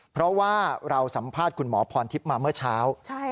เพราะว่าเราสัมภาษณ์คุณหมอพรทิพย์มาเมื่อเช้า